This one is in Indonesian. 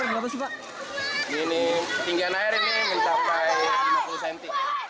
sementara untuk dua rt rt satu rw satu dan rt satu rw dua